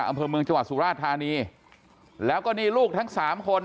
อำเภอเมืองจังหวัดสุราชธานีแล้วก็นี่ลูกทั้งสามคน